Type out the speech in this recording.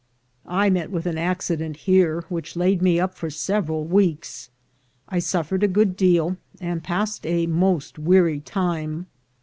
I met with an accident here which laid me up for several weeks. I suffered a good deal, and passed a most weary time.